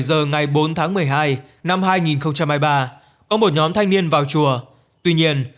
bốn tháng một mươi hai năm hai nghìn hai mươi ba có một nhóm thanh niên vào chùa tuy nhiên trong thời gian qua một số tháp chuông đã bị sát hại